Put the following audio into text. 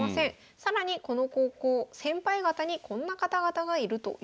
更にこの高校先輩方にこんな方々がいるということです。